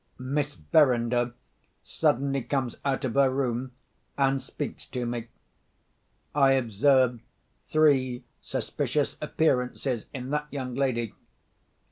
Miss Verinder suddenly comes out of her room, and speaks to me. I observe three suspicious appearances in that young lady.